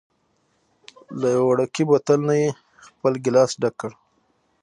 له یوه وړوکي بوتل نه یې خپل ګېلاس ډک کړ.